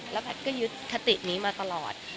แล้วก็ยึดคตินี้มาตลอด